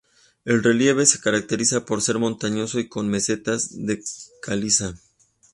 El relieve se caracteriza por ser montañoso y con mesetas de caliza.